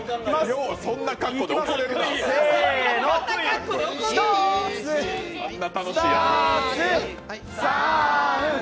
よう、そんな格好で怒れるな。